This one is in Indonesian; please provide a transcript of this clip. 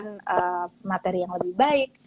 dengan materi yang lebih baik